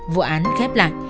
vụ án khép lại